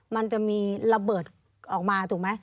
มันจะมีระเบิดออกมาถูกไหม